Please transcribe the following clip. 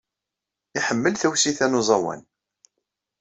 Iḥemmel tawsit-a n uẓawan.